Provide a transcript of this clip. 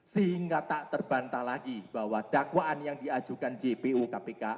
sehingga tak terbantah lagi bahwa dakwaan yang diajukan jpu kpk